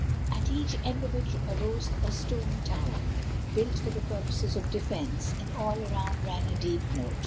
At each end of it rose a stone tower, built for the purposes of defence, and all around ran a deep moat.